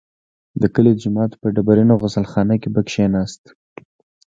د کلي د جومات په ډبرینه غسل خانه کې به کښېناست.